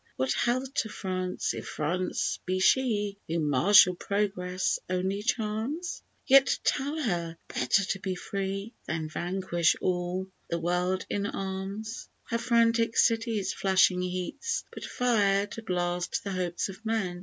What health to France, if France be she Whom martial progress only charms? Yet tell her better to be free Than vanquish all the world in arms. Her frantic city's flashing heats But fire, to blast the hopes of men.